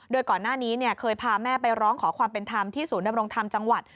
โดยก่อนหน้านี้เคยพาแม่ไปร้องขอความเป็นธรรมที่ศูนย์ดำรงธรรมจังหวัด